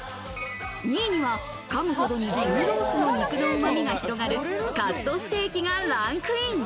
２位には、噛むほどに牛ロースの肉のうまみが広がるカットステーキがランクイン。